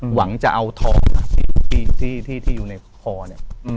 หวังจะเอาทองที่อยู่ในคอเนี่ย